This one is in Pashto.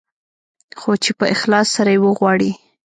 خو چې په اخلاص سره يې وغواړې.